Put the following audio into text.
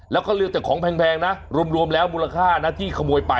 แล้วก็เลือกแต่ของแพงนะรวมแล้วมูลค่านะที่ขโมยไป